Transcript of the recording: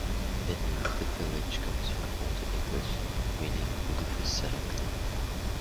The name of the village comes from Old English meaning "Lufa's settlement".